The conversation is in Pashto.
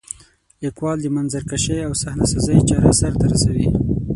لیکوال د منظرکشۍ او صحنه سازۍ چاره سرته رسوي.